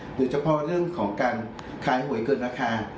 หรือเฉพาะเรื่องของการขายหวยเกินราคา